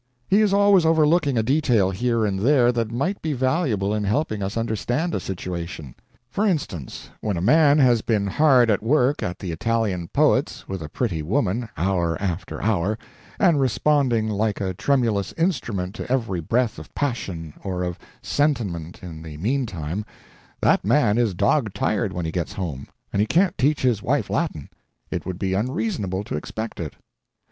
He is always overlooking a detail here and there that might be valuable in helping us understand a situation. For instance, when a man has been hard at work at the Italian poets with a pretty woman, hour after hour, and responding like a tremulous instrument to every breath of passion or of sentiment in the meantime, that man is dog tired when he gets home, and he can't teach his wife Latin; it would be unreasonable to expect it.